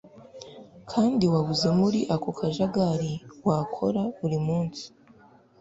kandi wabuze muri ako kajagari wakora buri munsi